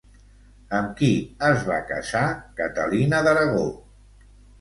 Amb qui es va casar Catalina d'Aragó?